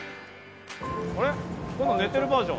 あっ、今度は寝てるバージョン。